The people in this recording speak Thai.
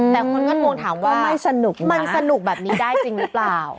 แต่คนก็ทวงถามว่าไม่สนุกมันสนุกแบบนี้ได้จริงหรือเปล่า